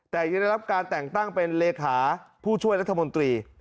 แต่ยังได้รับการแต่งตั้งเป็นเลขาผู้ช่วยรัฐมนตรี